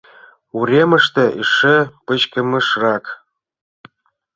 Уремыште эше пычкемышрак.